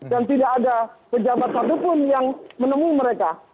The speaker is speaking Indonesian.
dan tidak ada pejabat satupun yang menemukan mereka